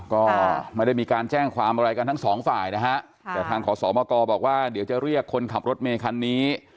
ก็ไม่ได้มีการแจ้งความอะไรกันทั้งสองฝ่ายนะฮะแต่ทางขอสอบมากรบอกว่าเดี๋ยวจะเรียกคนขับรถเมคันนี้